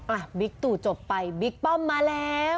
บิ๊กตู่จบไปบิ๊กป้อมมาแล้ว